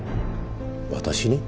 私に？